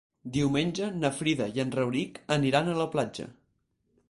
Diumenge na Frida i en Rauric aniran a la platja.